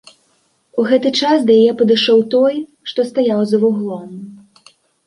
У гэты час да яе падышоў той, што стаяў за вуглом.